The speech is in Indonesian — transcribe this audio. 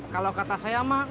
kalau kata saya mah